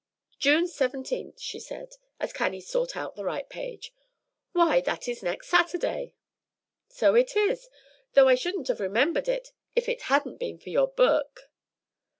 "June 17," she said, as Cannie sought out the right page; "why, that is next Saturday." "So it is, though I shouldn't have remembered it if it hadn't been for your book."